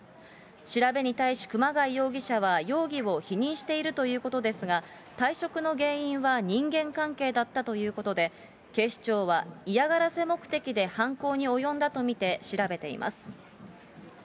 調べに対し、熊谷容疑者は容疑を否認しているということですが、退職の原因は人間関係だったということで、警視庁はいやがらせ目的で犯行に及んだと見て調べています。